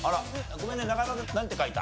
ごめんね中山君なんて書いた？